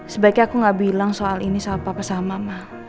sebaiknya aku gak bilang soal ini sama papa sama mama